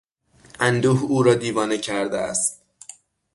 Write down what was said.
اندوه او را دیوانه کرده است.